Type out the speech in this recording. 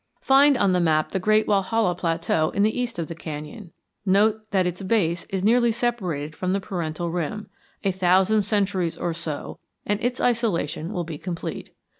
Find on the map the great Walhalla Plateau in the east of the canyon. Note that its base is nearly separated from the parental rim; a thousand centuries or so and its isolation will be complete.